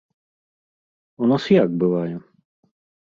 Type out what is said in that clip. У нас як бывае?